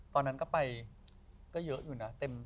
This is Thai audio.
ตอนนั้นก็ไปก็เยอะอยู่นะเต็ม